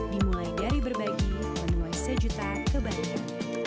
dimulai dari berbagi menulis sejuta ke banyak